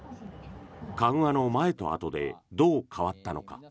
緩和の前とあとでどう変わったのか。